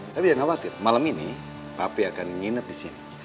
tapi jangan khawatir malam ini papi akan nginep disini